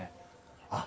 あっ！